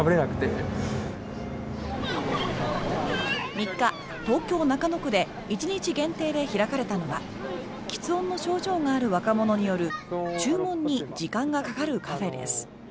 ３日、東京・中野区で１日限定で開かれたのはきつ音の症状がある若者による注文に時間がかかるカフェです。